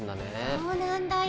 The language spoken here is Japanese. そうなんだよ。